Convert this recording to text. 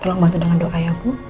tolong bantu dengan doa ya bu